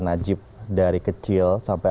najib dari kecil sampai